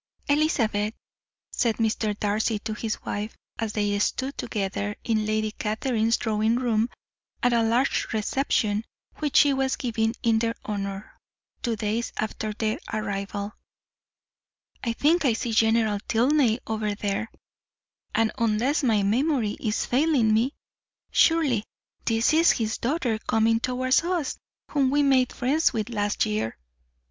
"Elizabeth," said Mr. Darcy to his wife, as they stood together in Lady Catherine's drawing room at a large reception which she was giving in their honour, two days after their arrival, "I think I see General Tilney over there; and, unless my memory is failing me, surely this is his daughter coming towards us, whom we made friends with last year."